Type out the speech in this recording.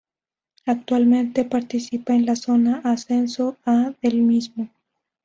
Actualmente participa de la Zona Ascenso A del mismo.